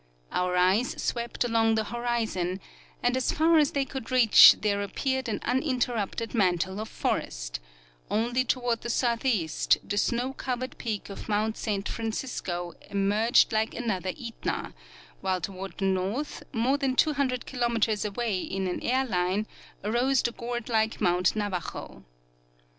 Our eyes SAvept along the horizon, and as far as they could reach there appeared an uninterrupted mantle of forest; only toward the southeast the snoAV covered peak of mount San Francisco emerged like another Etna, AAdiile toAvard the north, more than 200 kilometers aAvay in an air line, arose the gourd like mount Navajo.